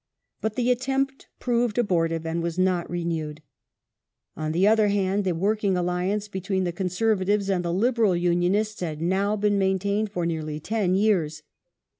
But the attempt proved abortive and was not renewed. On the other hand the working alliance between the Conservatives and the Liberal Unionists had now been main tained for nearly ten years.